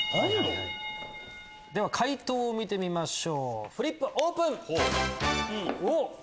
では解答を見てみましょうフリップオープン！